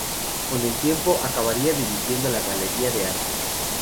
Con el tiempo, acabaría dirigiendo la Galería de Arte.